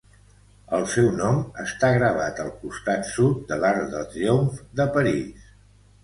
El seu nom està gravat al costat sud de l'Arc de Triomf de París.